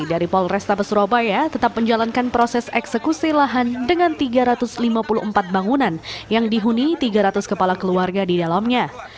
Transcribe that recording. dari polrestabes surabaya tetap menjalankan proses eksekusi lahan dengan tiga ratus lima puluh empat bangunan yang dihuni tiga ratus kepala keluarga di dalamnya